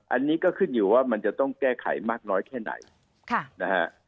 อันนี้ก็ขึ้นอยู่ว่ามันจะต้องแก้ไขมากน้อยแค่ไหนนะฮะ